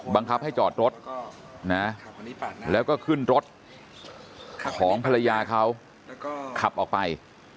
บังคับให้จอดรถนะแล้วก็ขึ้นรถของภรรยาเขาขับออกไป